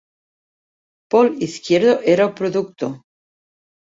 Pol Izquierdo era el productor.